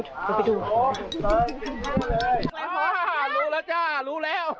รู้แล้วจ้ะรู้แล้ว